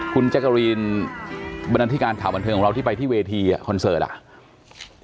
คุณแจ๊กกะรีนบรรณาธิการข่าวบันเทิงของเราที่ไปที่เวทีคอนเสิร์ตอ่ะ